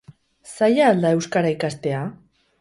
Zaila al da euskara ikastea?